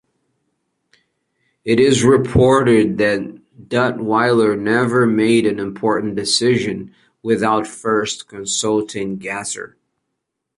It is reported that Duttweiler never made an important decision without first consulting Gasser.